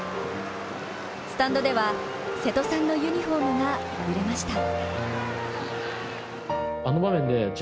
スタンドでは瀬戸さんのユニフォームが揺れました。